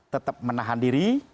tetap menahan diri